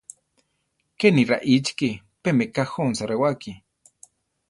Kéni raíchiki; pé meká jónsa rewáki.